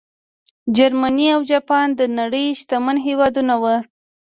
جرمني او جاپان د نړۍ شتمن هېوادونه وو.